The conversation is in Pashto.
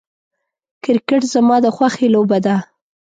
کرکټ زما د خوښې لوبه ده .